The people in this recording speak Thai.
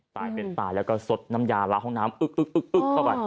ตายเป็นตายแล้วก็สดน้ำยาละห้องน้ำอึ๊บอึ๊บอึ๊บอึ๊บเข้าไป